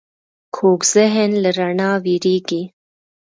کوږ ذهن له رڼا وېرېږي